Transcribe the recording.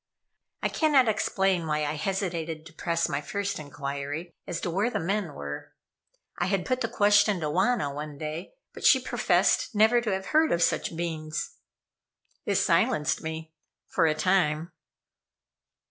I cannot explain why I hesitated to press my first inquiry as to where the men were. I had put the question to Wauna one day, but she professed never to have heard of such beings. It silenced me for a time.